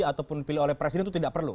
ataupun pilih oleh presiden itu tidak perlu